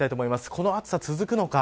この暑さ続くのか。